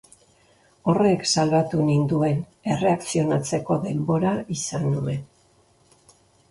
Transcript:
Horrek salbatu ninduen, erreakzionatzeko denbora izan nuen.